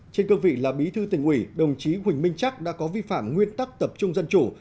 trên cương vị là bí thư tỉnh ủy đồng chí huỳnh minh chắc đã có vi phạm nguyên tắc tập trung dân chủ